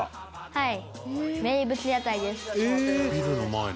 「はい」